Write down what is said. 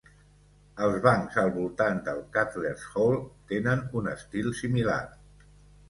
Els bancs al voltant del Cutlers' Hall tenen un estil similar.